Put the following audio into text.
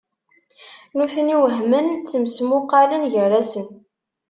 Nutni wehmen, ttmesmuqalen gar-asen.